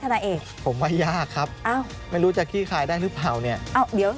นายเอกผมว่ายากครับอ้าวไม่รู้จะขี้คายได้หรือเปล่าเนี่ยเดี๋ยว